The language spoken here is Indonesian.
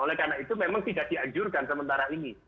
karena itu memang tidak diajurkan sementara ini